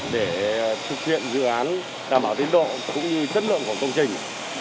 để thực hiện dự án đảm bảo tiến độ cũng như chất lượng của công trình